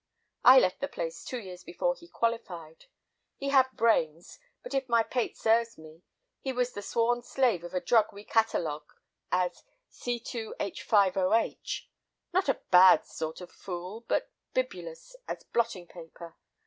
I left the place two years before he qualified; he had brains, but if my pate serves me, he was the sworn slave of a drug we catalogue as C2H5OH. Not a bad sort of fool, but bibulous as blotting paper.